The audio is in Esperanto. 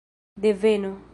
deveno